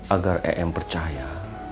agar am percaya